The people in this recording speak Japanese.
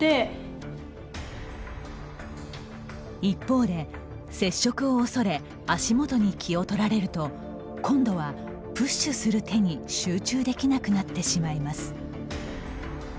一方で、接触を恐れ足元に気をとられると今度はプッシュする手に集中できなくなってしまいます。